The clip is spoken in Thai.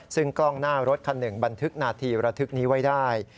ซึ่งกล้องหน้ารถคันหนึ่งบันทึกนาทีระทึกนี้ไว้ได้